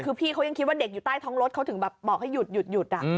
คือพี่เขายังคิดว่าเด็กอยู่ใต้ท้องรถเขาถึงแบบบอกให้หยุด